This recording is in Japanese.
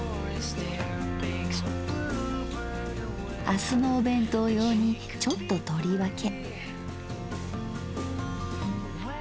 明日のお弁当用にちょっと取り分け。